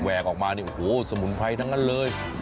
แวกออกมาโอ้โฮสมุนไพรทั้งนั้นเลย